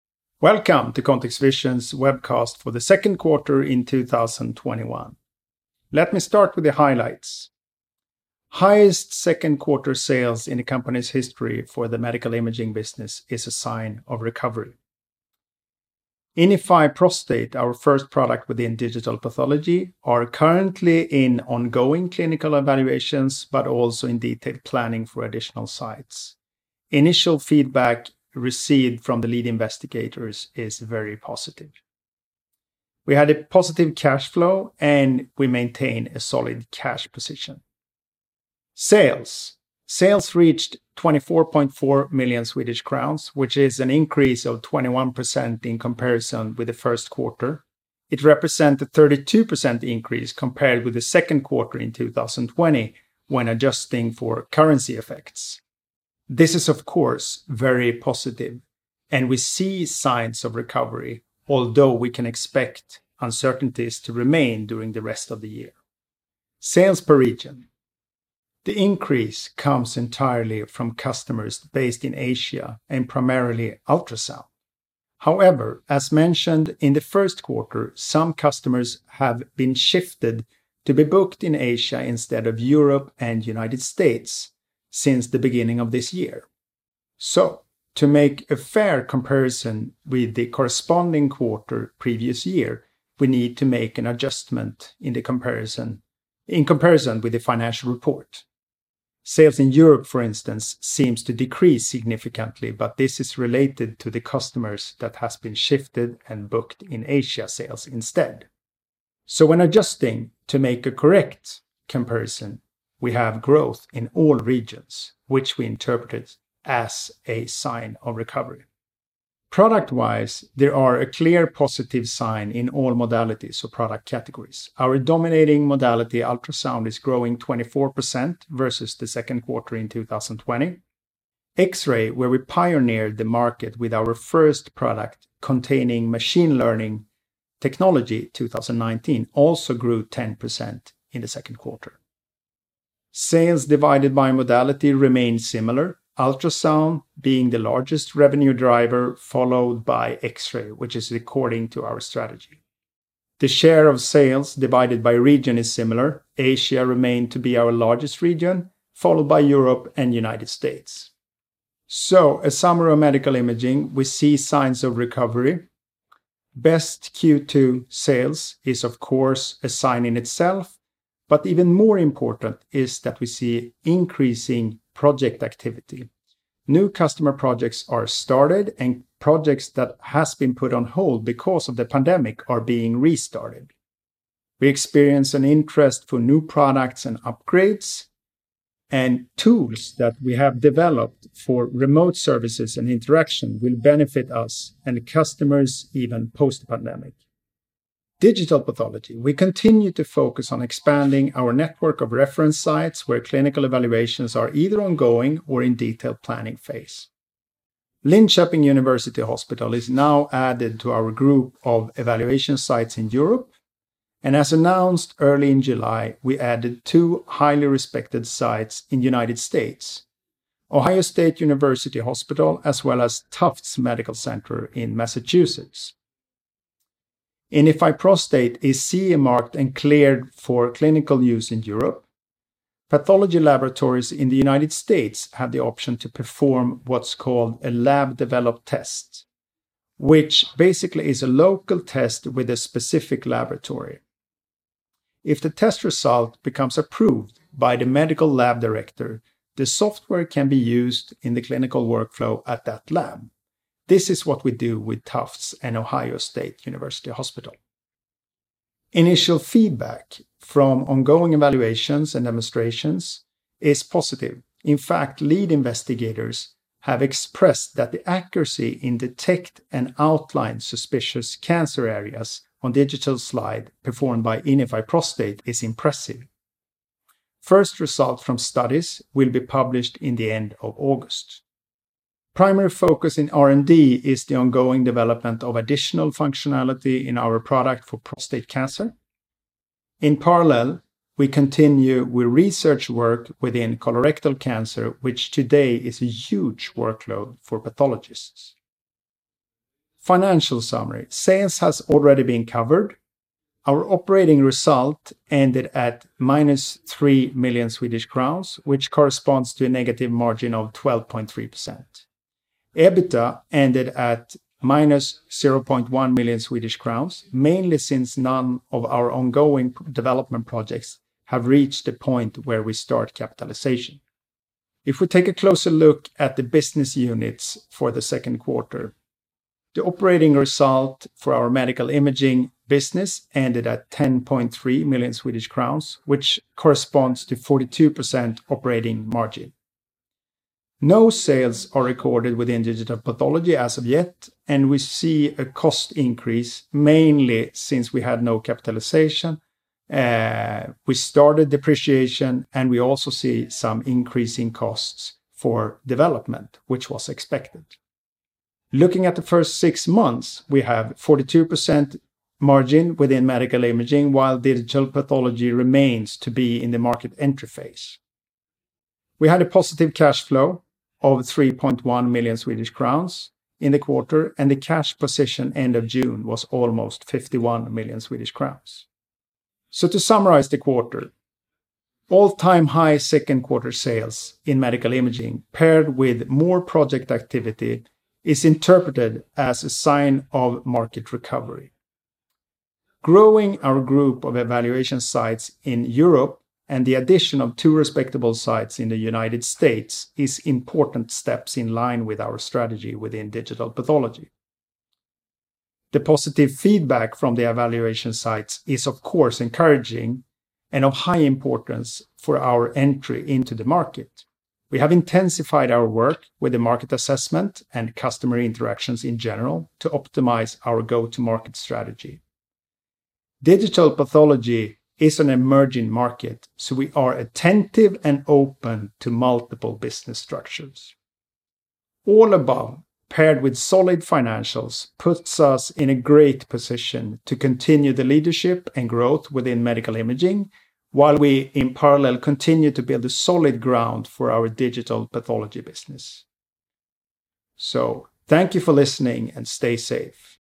Welcome to ContextVision's Webcast for the Second Quarter in 2021. Let me start with the highlights. Highest second quarter sales in the company's history for the medical imaging business is a sign of recovery. INIFY Prostate, our first product within digital pathology, are currently in ongoing clinical evaluations, but also in detailed planning for additional sites. Initial feedback received from the lead investigators is very positive. We had a positive cash flow, and we maintain a solid cash position. Sales reached 24.4 million Swedish crowns, which is an increase of 21% in comparison with the first quarter. It represents a 32% increase compared with the second quarter in 2020 when adjusting for currency effects. This is, of course, very positive, and we see signs of recovery, although we can expect uncertainties to remain during the rest of the year. Sales per region. The increase comes entirely from customers based in Asia and primarily ultrasound. As mentioned in the first quarter, some customers have been shifted to be booked in Asia instead of Europe and United States since the beginning of this year. To make a fair comparison with the corresponding quarter previous year, we need to make an adjustment in comparison with the financial report. Sales in Europe, for instance, seems to decrease significantly, but this is related to the customers that has been shifted and booked in Asia sales instead. When adjusting to make a correct comparison, we have growth in all regions, which we interpreted as a sign of recovery. Product-wise, there are a clear positive sign in all modalities or product categories. Our dominating modality, ultrasound, is growing 24% versus the second quarter in 2020. X-ray, where we pioneered the market with our first product containing machine learning technology 2019, also grew 10% in the second quarter. Sales divided by modality remained similar, ultrasound being the largest revenue driver, followed by X-ray, which is according to our strategy. The share of sales divided by region is similar. Asia remained to be our largest region, followed by Europe and United States. A summary of medical imaging, we see signs of recovery. Best Q2 sales is, of course, a sign in itself, but even more important is that we see increasing project activity. New customer projects are started, and projects that has been put on hold because of the pandemic are being restarted. We experience an interest for new products and upgrades, and tools that we have developed for remote services and interaction will benefit us and customers even post-pandemic. Digital pathology. We continue to focus on expanding our network of reference sites where clinical evaluations are either ongoing or in detailed planning phase. Linköping University Hospital is now added to our group of evaluation sites in Europe. As announced early in July, we added two highly respected sites in the United States, Ohio State University Hospital, as well as Tufts Medical Center in Massachusetts. INIFY Prostate is CE marked and cleared for clinical use in Europe. Pathology laboratories in the United States have the option to perform what's called a lab developed test, which basically is a local test with a specific laboratory. If the test result becomes approved by the medical lab director, the software can be used in the clinical workflow at that lab. This is what we do with Tufts and Ohio State University Hospital. Initial feedback from ongoing evaluations and demonstrations is positive. In fact, lead investigators have expressed that the accuracy in detect and outline suspicious cancer areas on digital slide performed by INIFY Prostate is impressive. First result from studies will be published in the end of August. Primary focus in R&D is the ongoing development of additional functionality in our product for prostate cancer. In parallel, we continue with research work within colorectal cancer, which today is a huge workload for pathologists. Financial summary. Sales has already been covered. Our operating result ended at -3 million Swedish crowns, which corresponds to a negative margin of 12.3%. EBITDA ended at -0.1 million Swedish crowns, mainly since none of our ongoing development projects have reached the point where we start capitalization. If we take a closer look at the business units for the second quarter, the operating result for our Medical Imaging business ended at 10.3 million Swedish crowns, which corresponds to 42% operating margin. No sales are recorded within Digital Pathology as of yet, and we see a cost increase mainly since we had no capitalization. We started depreciation, and we also see some increase in costs for development, which was expected. Looking at the first six months, we have 42% margin within Medical Imaging, while Digital Pathology remains to be in the market entry phase. We had a positive cash flow of 3.1 million Swedish crowns in the quarter, and the cash position end of June was almost 51 million Swedish crowns. To summarize the quarter, all-time high second-quarter sales in Medical Imaging paired with more project activity is interpreted as a sign of market recovery. Growing our group of evaluation sites in Europe and the addition of two respectable sites in the United States is important steps in line with our strategy within digital pathology. The positive feedback from the evaluation sites is, of course, encouraging and of high importance for our entry into the market. We have intensified our work with the market assessment and customer interactions in general to optimize our go-to-market strategy. Digital pathology is an emerging market, we are attentive and open to multiple business structures. All above, paired with solid financials, puts us in a great position to continue the leadership and growth within medical imaging while we, in parallel, continue to build a solid ground for our digital pathology business. Thank you for listening, and stay safe.